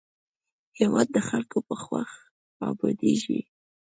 هېواد د خلکو په خوښه ابادېږي.